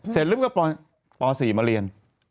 เสร็จแล้วมันก็ป๔มาเรียน